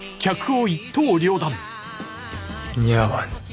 似合わぬ。